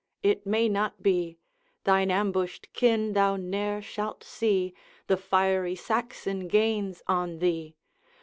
it may not be Thine ambushed kin thou ne'er shalt see, The fiery Saxon gains on thee!